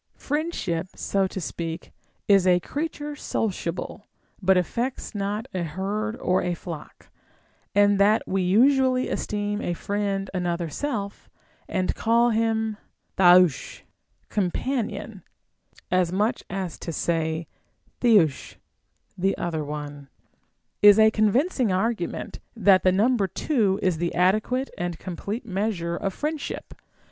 Friendship (so to speak) is a creature sociable, but affects not a herd or a flock ; and that we usually esteem a friend another self, and call him ήαΐρος (companion) as much as to say ίτεοης (the other one), is a convincing argument that the number two is the adequate and com plete measure of friendship.